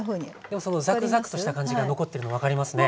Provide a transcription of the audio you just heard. でもそのザクザクとした感じが残っているの分かりますね。